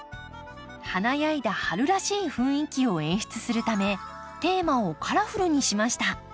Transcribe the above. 華やいだ春らしい雰囲気を演出するためテーマを「カラフル」にしました。